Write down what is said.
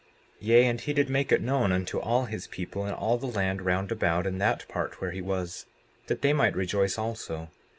59:2 Yea, and he did make it known unto all his people, in all the land round about in that part where he was, that they might rejoice also.